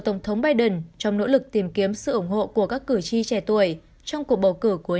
tổng thống biden trong nỗ lực tìm kiếm sự ủng hộ của các cử tri trẻ tuổi trong cuộc bầu cử cuối